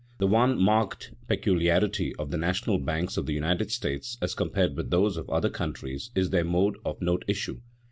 _ The one marked peculiarity of the national banks of the United States as compared with those of other countries, is their mode of note issue.